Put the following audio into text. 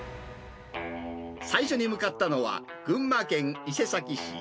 最初に向かったのは、群馬県伊勢崎市。